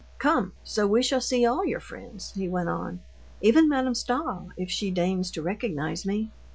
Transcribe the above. "Come, so we shall see all your friends," he went on, "even Madame Stahl, if she deigns to recognize me."